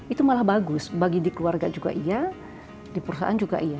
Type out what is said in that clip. itu malah bagus bagi di keluarga juga iya di perusahaan juga iya